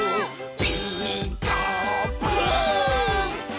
「ピーカーブ！」